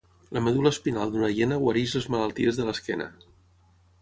La medul·la espinal d'una hiena guareix les malalties de l'esquena.